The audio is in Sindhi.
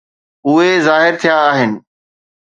اهي ظاهر ٿيا آهن.